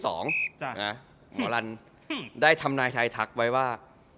หมอลันได้ทำนายไทยทักไว้ว่า